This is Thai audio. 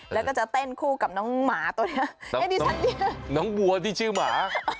แล้วก็จะเต้นคู่กับน้องหมาตัวเนี้ยน้องหัวที่ชื่อหมา